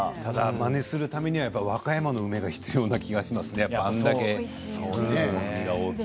まねをするためには和歌山の梅が必要そうですね。